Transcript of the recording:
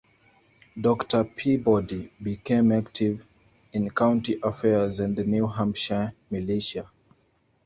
Doctor Peabody became active in county affairs and the New Hampshire Militia.